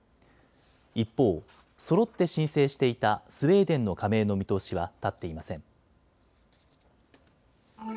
一方、そろって申請していたスウェーデンの加盟の見通しは立っていません。